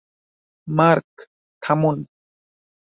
Mark, থামুন।